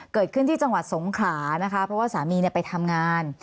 เกิดขึ้นที่จังหวัดสงขลานะคะเพราะว่าสามีไปทำงาน